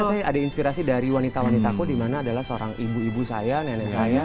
ini karena saya ada inspirasi dari wanita wanitaku di mana adalah seorang ibu ibu saya nenek saya